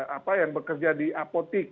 apa yang bekerja di apotik